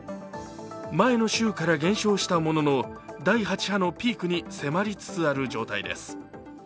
前の週から減少したものの第８波のピークに迫りつつある状態です。